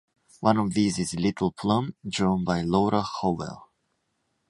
One of these is Little Plum, drawn by Laura Howell.